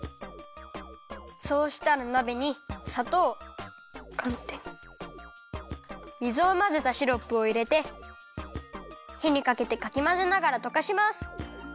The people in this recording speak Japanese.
そうしたらなべにさとうかんてん水をまぜたシロップをいれてひにかけてかきまぜながらとかします。